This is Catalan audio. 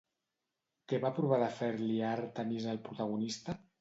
Què va provar de fer-li a Àrtemis el protagonista?